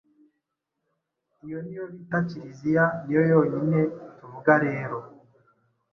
Iyo ni yo bita Kiliziya ni yo yonyine tuvuga rero.